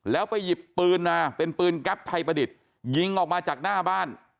แล้วไปหยิบปืนมาเป็นปืนแก๊ปไทยประดิษฐ์ยิงออกมาจากหน้าบ้าน